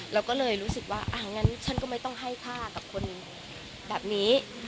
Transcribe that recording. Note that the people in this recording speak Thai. เราก็เลยรู้สึกว่าอ่ะงั้นฉันก็ไม่ต้องให้ค่ากับคนแบบนี้